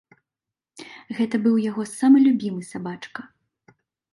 Гэта быў яго самы любімы сабачка.